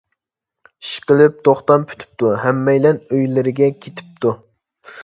ئىشقىلىپ توختام پۈتۈپتۇ، ھەممەيلەن ئۆيلىرىگە كېتىپتۇ.